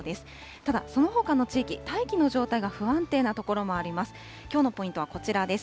ただそのほかの地域、大気の状態が不安定な所もあります。